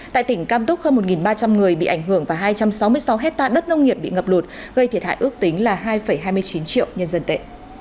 tại tỉnh cam túc hơn một ba trăm linh người bị ảnh hưởng và hai trăm sáu mươi sáu hectare đất nông nghiệp bị ngập lụt gây thiệt hại ước tính là hai hai mươi chín triệu nhân dân tệ